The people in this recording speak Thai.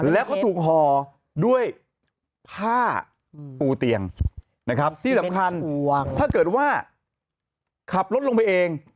แล้วก็ถูกห่อด้วยผ้าปูเตียงนะครับที่สำคัญถ้าเกิดว่าขับรถลงไปเอง